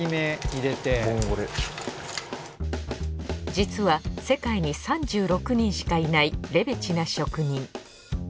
実は世界に３６人しかいないレベチな職人。